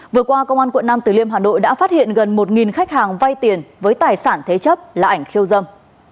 vừa qua công an quận nam từ liêm hà nội đã phát hiện gần một khách hàng vay tiền với tài sản thế chấp là ảnh khiêu dâm